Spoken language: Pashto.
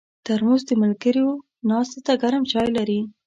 ترموز د ملګرو ناستې ته ګرم چای لري.